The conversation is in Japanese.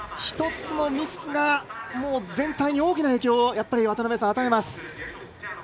１つのミスが全体に大きな影響を渡辺さん、与えます。